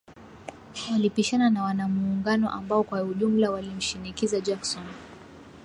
Walipishana na wanamuungano ambao kwa ujumla walimshinikiza Jackson